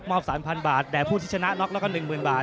มอบสามพันบาทแต่ผู้ที่ชนะน็อกแล้วก็หนึ่งหมื่นบาท